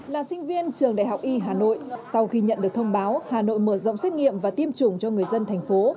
là sinh viên trường đại học y hà nội sau khi nhận được thông báo hà nội mở rộng xét nghiệm và tiêm chủng cho người dân thành phố